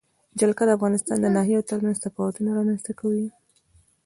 جلګه د افغانستان د ناحیو ترمنځ تفاوتونه رامنځ ته کوي.